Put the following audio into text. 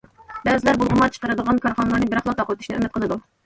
بەزىلەر بۇلغىما چىقىرىدىغان كارخانىلارنى بىراقلا تاقىۋېتىشنى ئۈمىد قىلىدۇ.